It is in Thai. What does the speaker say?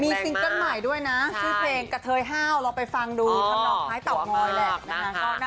ซิงเกิ้ลใหม่ด้วยนะชื่อเพลงกะเทยห้าวเราไปฟังดูทำนองคล้ายเตางอยแหละนะคะ